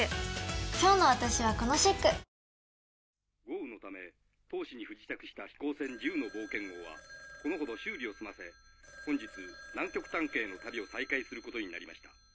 豪雨のため当市に不時着した飛行船自由の冒険号はこのほど修理を済ませ本日南極探検への旅を再開することになりました。